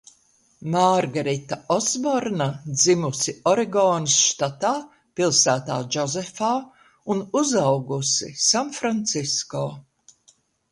Mārgarita Osborna dzimusi Oregonas štatā pilsētā Džozefā, un uzaugusi Sanfrancisko.